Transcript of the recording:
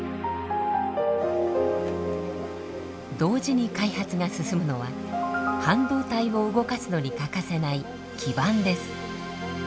同時に開発が進むのは半導体を動かすのに欠かせない基板です。